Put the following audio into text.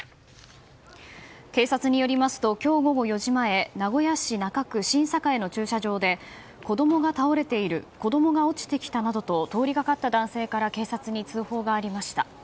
警察によりますと今日午後４時前名古屋市中区新栄の駐車場で子供が倒れている子供が落ちてきたなどと通りがかった男性から、警察に通報がありました。